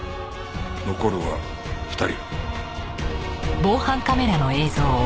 残るは２人。